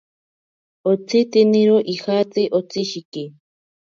Otsitiniro ijatatsi otsishiki.